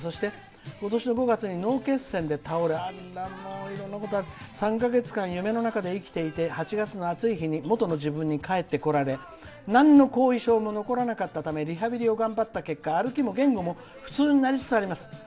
そして、今年５月に脳血栓で倒れ３か月間、夢の中で生きていて８月の暑い日にもとの自分に帰ってこれてなんの後遺症も残らなかったためリハビリを頑張った結果歩きも元気も普通になりつつあります」